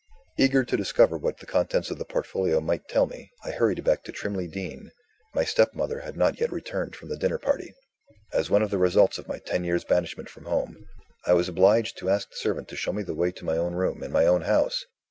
Eager to discover what the contents of the portfolio might tell me, I hurried back to Trimley Deen. My stepmother had not yet returned from the dinner party. As one of the results of my ten years' banishment from home, I was obliged to ask the servant to show me the way to my own room, in my own house!